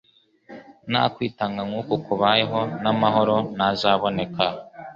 Nta kwitanga nk'uko kubayeho, n'amahoro ntazaboneka.